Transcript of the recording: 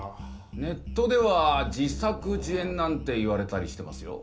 ネットでは「自作自演」なんて言われたりしてますよ。